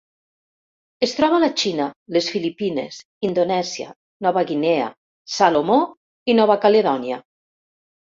Es troba a la Xina, les Filipines, Indonèsia, Nova Guinea, Salomó i Nova Caledònia.